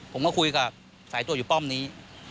ผมก็คุยกับสายตัวอยู่ป้อมนี้